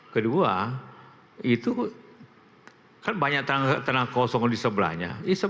kedua itu kan banyak tanah kosong di sebelahnya